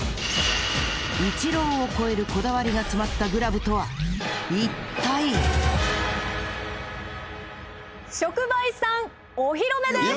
イチローを超えるこだわりが詰まったグラブとは一体⁉職場遺産お披露目です！